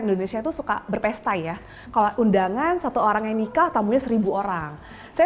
indonesia tuh suka berpesta ya kalau undangan satu orang yang nikah tamunya seribu orang saya